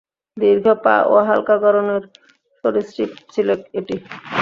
দীর্ঘ পা ও হাল্কা গড়নের সরীসৃপ ছিল এটি।